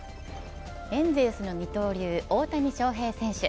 エンゼルスの二刀流、大谷翔平選手。